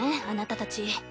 あなたたち。